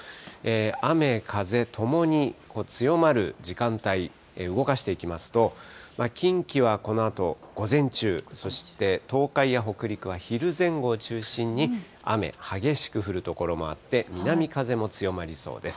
雨風ともに強まる時間帯、動かしていきますと、近畿はこのあと午前中、そして東海や北陸は昼前後を中心に雨、激しく降る所もあって、南風も強まりそうです。